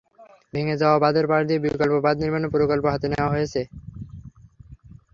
ভেঙে যাওয়া বাঁধের পাশ দিয়ে বিকল্প বাঁধ নির্মাণের প্রকল্প হাতে নেওয়া হয়েছে।